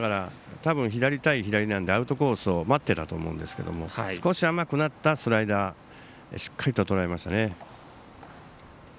多分、左対左なのでアウトコースを待っていたと思うんですが少し甘くなったスライダーをしっかりとらえました。